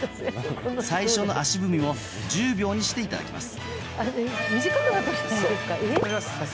最初の足踏みも１０秒にしていただきます。